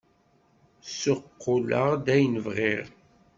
Ssuqquleɣ-d ayen bɣiɣ!